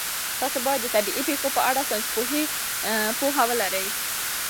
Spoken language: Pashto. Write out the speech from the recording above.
تاسي باید د طبیعي پېښو په اړه ساینسي پوهه ولرئ.